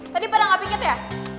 tadi pada ga piket ya